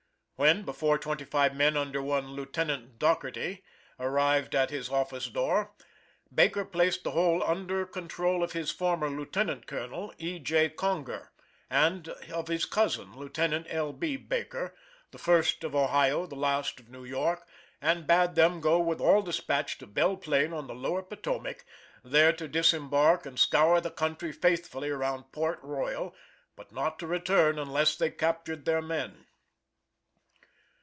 When, therefore, twenty five men, under one Lieutenant Dougherty, arrived at his office door, Baker placed the whole under control of his former lieutenant colonel, E. J. Conger, and of his cousin, Lieutenant L. B. Baker the first of Ohio, the last of New York and bade them go with all dispatch to Belle Plain on the Lower Potomac, there to disembark, and scour the country faithfully around Port Royal, but not to return unless they captured their men.